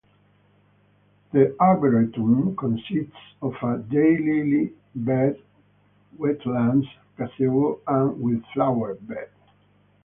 The Arboretum consists of a daylily bed, wetlands, gazebo, and a wildflower bed.